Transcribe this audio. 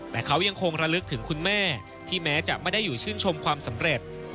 แต่เขายังคงระลึกถึงคุณแม่ที่แม้จะไม่ได้อยู่ชื่นชมความสำเร็จ